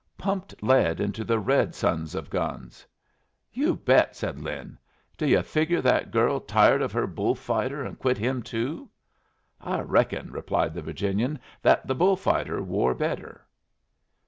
Pumped lead into the red sons of guns." "You bet," said Lin. "Do yu' figure that girl tired of her bull fighter and quit him, too?" "I reckon," replied the Virginian, "that the bull fighter wore better."